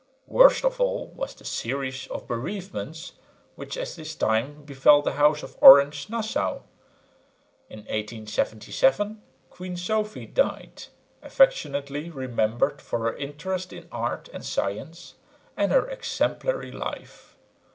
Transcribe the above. Worst of all was the series of bereavements which at this time befell the House of Orange Nassau. In 1877 Queen Sophie died, affectionately remembered for her interest in art and science, and her exemplary life.